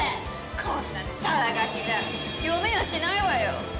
こんなチャラ書きじゃ読めやしないわよ！